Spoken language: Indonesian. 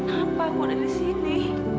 kenapa aku ada di sini